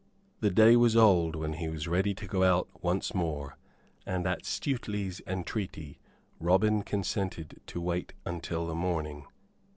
The day was old when he was ready to go out once more; and at Stuteley's entreaty Robin consented to wait until the morning.